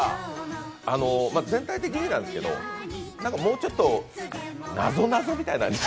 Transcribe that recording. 全体的になんですけどもうちょっとなぞなぞみたいなのが。